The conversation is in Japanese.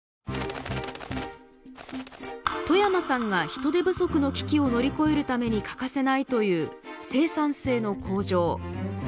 冨山さんが人手不足の危機を乗り越えるために欠かせないという「生産性の向上」。